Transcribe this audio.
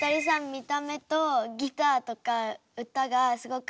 見た目とギターとか歌がすごくうまくて。